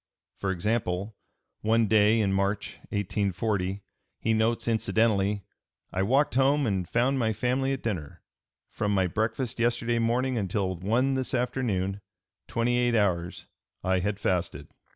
For example, one day in March, 1840, he notes incidentally: "I walked home and found my family at dinner. From my breakfast yesterday morning until one this afternoon, twenty eight hours, I had fasted."